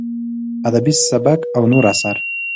ادبي سبک او نور اثار: